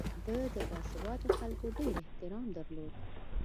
ده د باسواده خلکو ډېر احترام درلود.